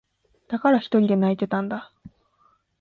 だから、ひとりで泣いていたんだ。